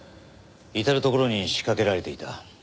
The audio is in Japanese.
至る所に仕掛けられていた。